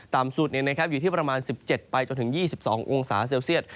ตามสูตรเนี่ยหรือมาที่ประมาณ๑๗ไปถึง๒๒องศาเซลเซียด